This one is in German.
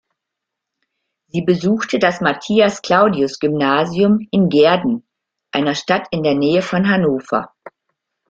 Sie besuchte das Matthias-Claudius-Gymnasium in Gehrden, einer Stadt in der Nähe von Hannover.